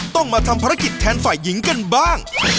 ต้องมาทำภารกิจแทนฝ่ายหญิงกันบ้าง